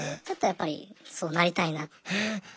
ちょっとやっぱりそうなりたいなって。